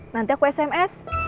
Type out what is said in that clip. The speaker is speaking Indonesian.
nanti aku sms